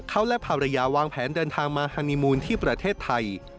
เขาและภรรยาวางแผนเดินทางมาฮานีมูลที่ประเทศไทย